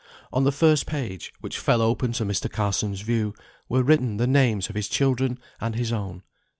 On the first page (which fell open to Mr. Carson's view) were written the names of his children, and his own.